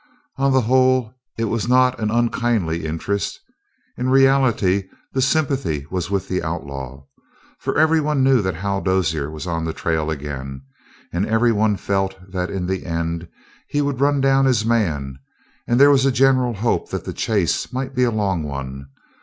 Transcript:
On the whole, it was not an unkindly interest. In reality the sympathy was with the outlaw. For everyone knew that Hal Dozier was on the trail again, and everyone felt that in the end he would run down his man, and there was a general hope that the chase might be a long one.